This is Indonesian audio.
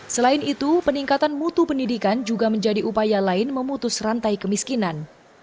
selain itu peningkatan mutu pendidikan juga menjadi upaya lain memutus rantai kemiskinan